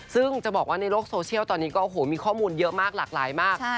ซึ่งจะบอกว่าในโลกโซเชียลตอนนี้ก็โอ้โหมีข้อมูลเยอะมากหลากหลายมาก